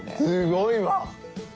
すごいわ！